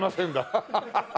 ハハハハ！